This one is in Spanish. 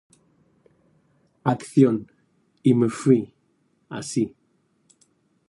Acción... y me fui, así.